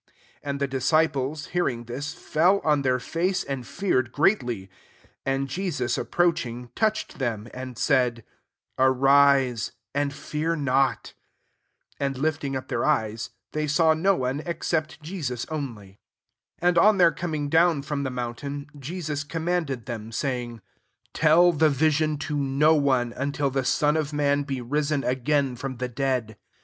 6 And the disciples hearing thisy fell on their face, and feared greatly. 7 And Jesus ap proaching, touched them, and said, "Arise, and fear not." 8 And lifting up their eyes, they saw no one, except Jesus only. 9 And on their coming down from the mountain, Jesus com manded them, saying, " Tell *^e vision to no one, until the Son of man be ri8<m)&gain fronx the dead."